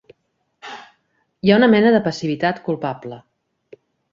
Hi ha una mena de passivitat culpable.